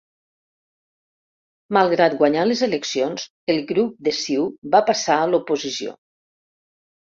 Malgrat guanyar les eleccions, el grup de CiU va passar a l'oposició.